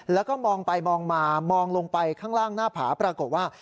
แล้วก็มองไปมองมามองลงไปข้างล่างหน้าผาปรากฏว่า